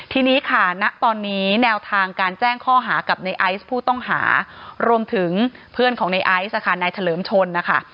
ทีนี้ค่ะณตอนนี้แนวทางการแจ้งข้อหากับในไอซ์ผู้ต้องหารวมถึงเพื่อนของในไอซ์ค่ะนายเฉลิมชนนะคะ